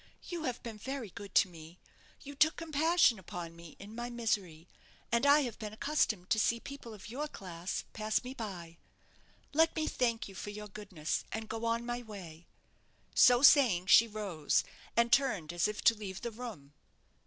You have been very good to me; you took compassion upon me in my misery, and I have been accustomed to see people of your class pass me by. Let me thank you for your goodness, and go on my way." So saying, she rose, and turned as if to leave the room.